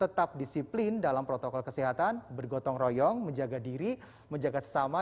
tetap disiplin dalam protokol kesehatan bergotong royong menjaga diri menjaga sesama